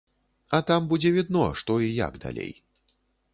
А там будзе відно, што і як далей.